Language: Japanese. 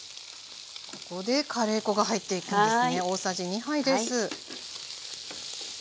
ここでカレー粉が入っていくんですね。